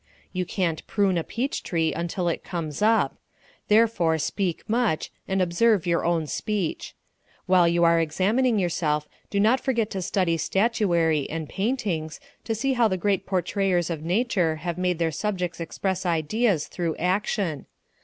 You can't prune a peach tree until it comes up; therefore speak much, and observe your own speech. While you are examining yourself, do not forget to study statuary and paintings to see how the great portrayers of nature have made their subjects express ideas through action.